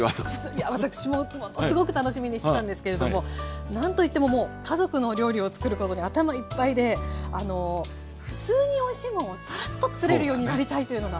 いや私もものすごく楽しみにしてたんですけれども何といってももう家族のお料理をつくることで頭いっぱいでふつうにおいしいもんをさらっとつくれるようになりたいというのが。